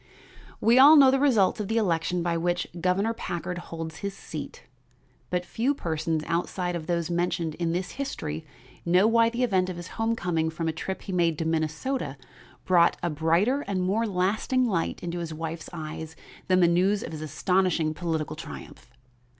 We all know the results of the election by which Governor Packard holds his seat, but few persons outside of those mentioned in this history know why the event of his homecoming from a trip he made to Minnesota brought a brighter and more lasting light into his wife's eyes than the news of his astonishing political triumph.